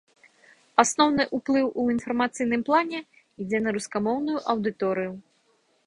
Асноўны ўплыў у інфармацыйным плане ідзе на рускамоўную аўдыторыю.